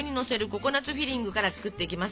ココナツフィリングから作っていきます。